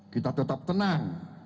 kita tetap tenang